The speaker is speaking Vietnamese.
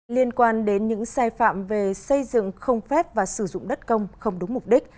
liên quan đến những sai phạm về xây dựng không phép và sử dụng đất công không đúng mục đích